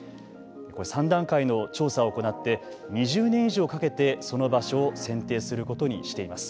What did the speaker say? ３段階の調査を行って２０年以上かけてその場所を選定することにしています。